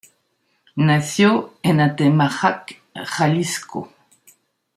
Nació en Atemajac, Jalisco.